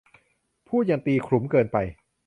พูดอย่างตีขลุมเกินไป